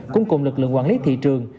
cũng cùng lực lượng quản lý thị trường